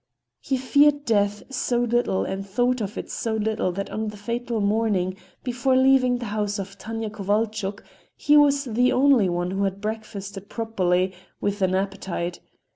He feared death so little and thought of it so little that on the fatal morning, before leaving the house of Tanya Kovalchuk, he was the only one who had breakfasted properly, with an appetite.